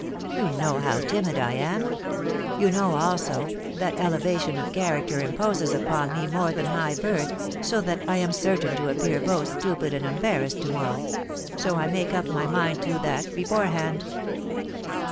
You know how timid I am; you know, also, that elevation of character imposes upon me more than high birth, so that I am certain to appear both stupid and embarrassed to morrow; so I make up my mind to that beforehand."